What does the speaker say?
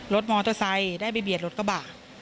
รถมอเตอร์ไซค์ได้ไปเบียดรถกระบะ